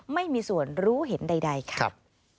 ไม่มีส่วนรู้เห็นใดค่ะ